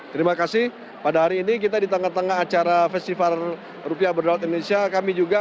terima kasih pada hari ini kita di tengah tengah acara festival rupiah berdaulat indonesia kami juga